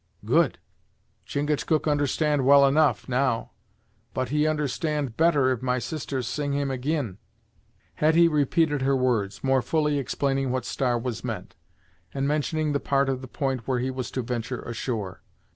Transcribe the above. "Good Chingachgook understand well enough, now; but he understand better if my sister sing him ag'in." Hetty repeated her words, more fully explaining what star was meant, and mentioning the part of the point where he was to venture ashore.